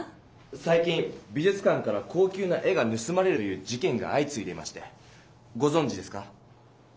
さい近美じゅつ館から高級な絵がぬすまれるという事件があいついでましてごぞんじですか？